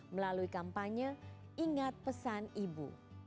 melalui kampanye ingat pesan ibu